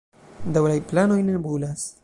Daŭraj planoj nebulas.